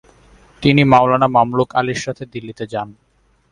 তিনি মাওলানা মামলুক আলির সাথে দিল্লি যান।